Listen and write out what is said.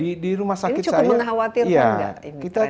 ini cukup mengkhawatirkan nggak ini trendnya